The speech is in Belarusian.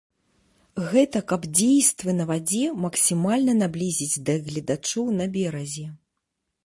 Гэта каб дзействы на вадзе максімальна наблізіць да гледачоў на беразе.